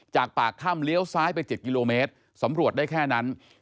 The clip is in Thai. จากปากถ้ำเลี้ยวซ้ายไป๗กิโลเมตรสำรวจได้แค่นั้น